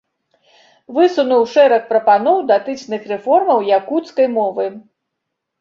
Высунуў шэраг прапаноў, датычных рэформаў якуцкай мовы.